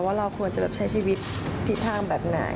ว่าเราควรจะใช้ชีวิตที่ทางแบบไหน